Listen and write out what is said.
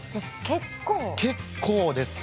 結構ですね。